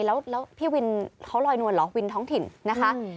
แล้วพี่วินเขาลอยนวลเหรอวินท้องถิ่นนะคะ